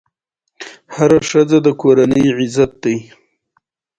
اوریدونکي یې هم ساده نارینه او ښځینه وي.